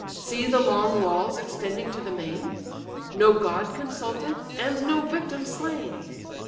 See the long walls extending to the main, No god consulted, and no victim slain!